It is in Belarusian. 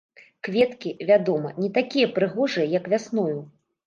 Кветкі, вядома, не такія прыгожыя як вясною.